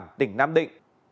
vũ bản tỉnh nam định